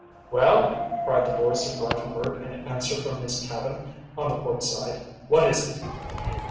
"Well?" cried the voice of Reiffenburg in answer from his cabin on the port side; "what is it?"